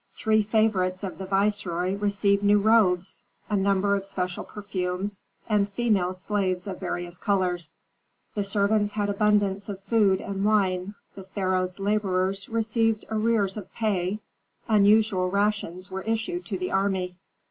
Three favorites of the viceroy received new robes, a number of special perfumes, and female slaves of various colors. The servants had abundance of food and wine, the pharaoh's laborers received arrears of pay, unusual rations were issued to the army.